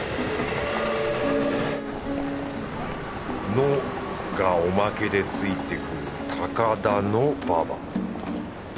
「の」がおまけでついてくる高田馬場